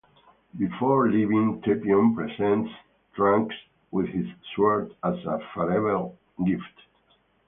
Before leaving, Tapion presents Trunks with his sword as a farewell gift.